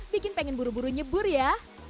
bikin pengen buru buru nyebur ya